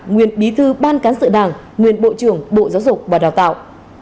nguyên bí thư ban cán sự đảng nguyên bộ trưởng bộ giáo dục và đào tạo